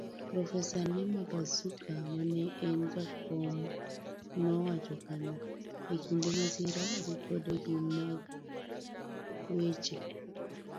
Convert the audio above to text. Profesa Nema Bazuka maneen jakom nowacho kama:E kinde masira, Ripode Gi mag weche.